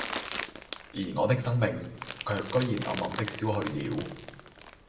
而我的生命卻居然暗暗的消去了，